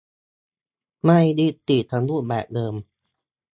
ไม่ยึดติดกับรูปแบบเดิม